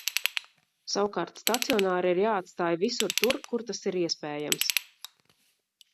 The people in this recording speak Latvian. Savukārt stacionāri ir jāatstāj visur tur, kur tas ir iespējams.